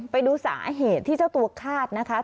ไปดูสาเหตุที่เจ้าตัวคาดนะคะ